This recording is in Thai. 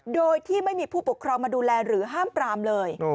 โดยที่ไม่มีผู้ปกครองมาดูแลหรือห้ามปรามเลย